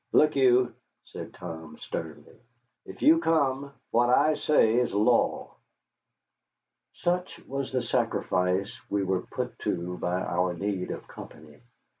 "Look you," said Tom, sternly, "if you come, what I say is law." Such was the sacrifice we were put to by our need of company.